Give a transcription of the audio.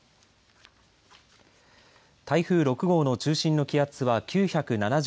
台風６号の中心の気圧は９７０